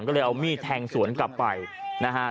ก็เลยเอามีดแทงสวนกลับไปนะฮะ